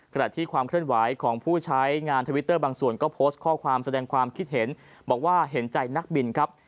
ขณะที่ความเคลื่อนไหวของผู้ใช้งานทวิตเตอร์บางส่วนก็โพสต์ข้อความแสดงความคิดเห็นบอกว่าเห็นใจนักบินครับ